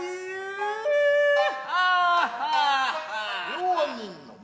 両人の者